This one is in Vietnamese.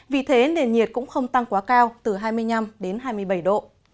vì thế nền nhiệt cũng không tăng quá cao từ hai mươi năm đến hai mươi bảy độ